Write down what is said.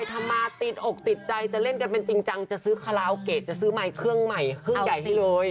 ทำมาติดอกติดใจจะเล่นกันเป็นจริงจังจะซื้อคาราโอเกะจะซื้อไมค์เครื่องใหม่เครื่องใหญ่ให้เลย